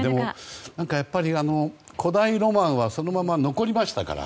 古代ロマンはそのまま残りましたから。